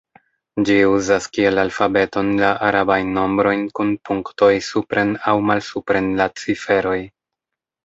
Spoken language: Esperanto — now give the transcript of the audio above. Ĝi uzas kiel alfabeton la arabajn nombrojn kun punktoj supren aŭ malsupren la ciferoj.